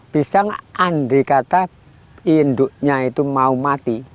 pisang andai kata induknya itu mau mati